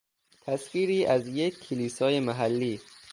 تصویری از یک کلیسای محلی